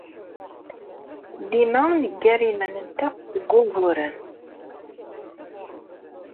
Dima neggar iman-nteɣ deg wuguren.